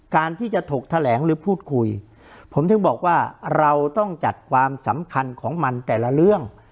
การที่จะถกแถลงหรือพูดคุยผมถึงบอกว่าเราต้องจัดความสำคัญของมันแต่ละเรื่อง